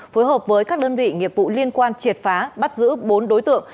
phối hợp với các đơn vị nghiệp vụ liên quan triệt phá bắt giữ bốn đối tượng